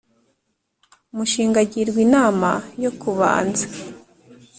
Mishinga agirwa inama yo kubanza